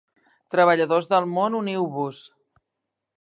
Treballadors del món, uniu-vos!